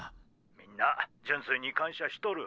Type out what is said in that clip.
みんな純粋に感謝しとる。